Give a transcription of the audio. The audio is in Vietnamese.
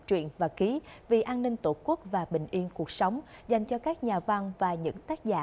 truyện và ký vì an ninh tổ quốc và bình yên cuộc sống dành cho các nhà văn và những tác giả